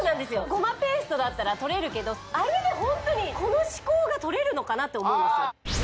ごまペーストだったらとれるけどあれでホントにこの歯垢がとれるのかなって思うんですよ